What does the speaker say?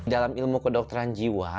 dalam ilmu kedokteran jiwa